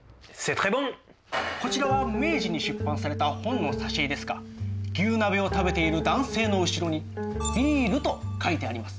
こちらは明治に出版された本の挿絵ですが牛鍋を食べている男性の後ろに「ビイル」と書いてあります。